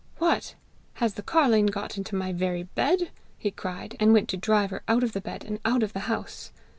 'What! has the carline got into my very bed?' he cried, and went to drive her out of the bed and out of the house.